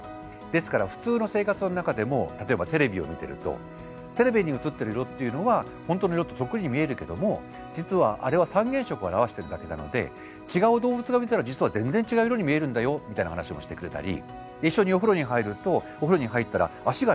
ですから普通の生活の中でも例えばテレビを見てるとテレビに映っている色っていうのは本当の色とそっくりに見えるけども実はあれは三原色を表してるだけなので違う動物が見たら実は全然違う色に見えるんだよみたいな話もしてくれたり一緒にお風呂に入るとお風呂に入ったら脚が短く見えるじゃないですか。